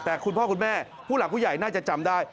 แต่คุณพ่อคุณแม่ผู้หลักผู้ใหญ่น่าจะจำได้